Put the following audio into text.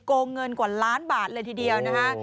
งเงินกว่าล้านบาทเลยทีเดียวนะคะ